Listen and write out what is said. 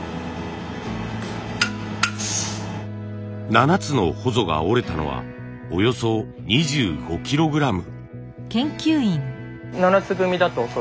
７つのほぞが折れたのはおよそ２５キログラム。